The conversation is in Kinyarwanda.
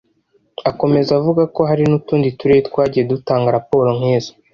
Akomeza avuga ko hari n’utundi Turere twagiye dutanga raporo nk’izo